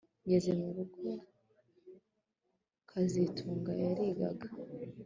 Ngeze mu rugo kazitunga yarigaga